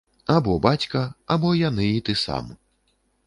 Або бацька, або яны і ты сам.